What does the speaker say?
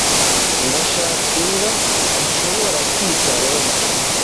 ndashaka imbwa nshobora kwita rover